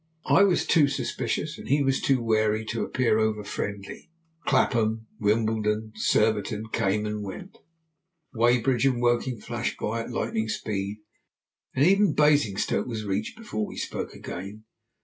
I was too suspicious, and he was too wary, to appear over friendly. Clapham, Wimbledon, Surbiton, came and went. Weybridge and Woking flashed by at lightning speed, and even Basingstoke was reached before we spoke again.